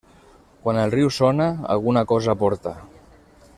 Quan el riu sona, alguna cosa porta.